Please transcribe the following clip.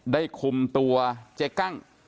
ได้คุมตัวเจ๊กั้ง